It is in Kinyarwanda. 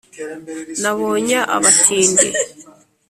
nabonya abatindi